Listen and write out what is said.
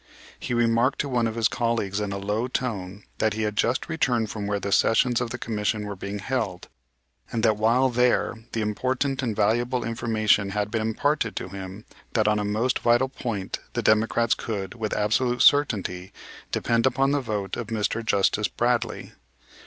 He remarked to one of his colleagues in a low tone that he had just returned from where the sessions of the commission were being held, and that while there the important and valuable information had been imparted to him that on a most vital point the Democrats could with absolute certainty depend upon the vote of Mr. Justice Bradley.